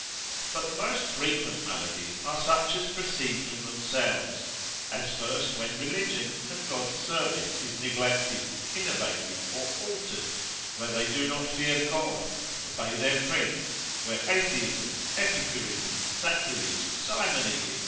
But the most frequent maladies are such as proceed from themselves, as first when religion and God's service is neglected, innovated or altered, where they do not fear God, obey their prince, where atheism, epicurism, sacrilege, simony, &c.